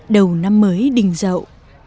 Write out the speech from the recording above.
đầu năm mới đình dậu